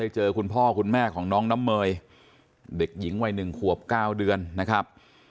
เจอคุณพ่อคุณแม่ของน้องน้ำเมย์เด็กหญิงวัย๑ขวบ๙เดือนนะครับ